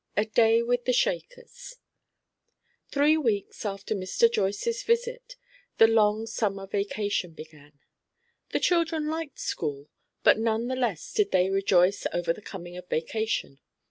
A DAY WITH THE SHAKERS. Three weeks after Mr. Joyce's visit, the long summer vacation began. The children liked school, but none the less did they rejoice over the coming of vacation.